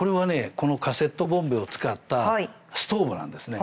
このカセットボンベを使ったストーブなんですね。